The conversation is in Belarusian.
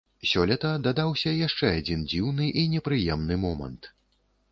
Сёлета дадаўся яшчэ адзін дзіўны і непрыемны момант.